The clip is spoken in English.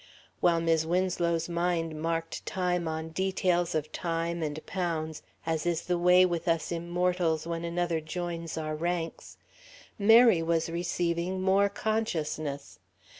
While Mis' Winslow's mind marked time on details of time and pounds, as is the way with us immortals when another joins our ranks, Mary was receiving more consciousness.